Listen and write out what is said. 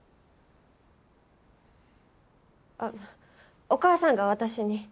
あっお母さんが私に。